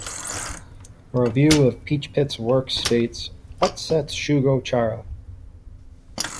A review of Peach Pit's work states; What sets Shugo Chara!